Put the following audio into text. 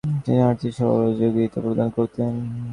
তিনি আর্থিক সহযোগিতা প্রদান করতেন।